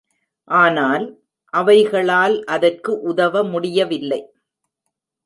ஆனால், அவைகளால் அதற்கு உதவ முடியவில்லை.